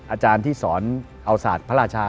อาจารย์ที่สอนเอาศาสตร์พระราชา